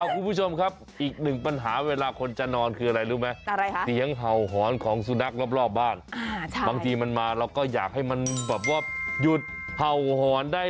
ครับคุณผู้ชมครับอีกหนึ่งปัญหาเวลาคนจะนอนคืออะไรรู้ไม่